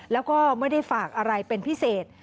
แล้วก็ไม่ได้ฝากอะไรเป็นพิเศษ